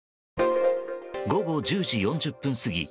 午後１０時４０分過ぎ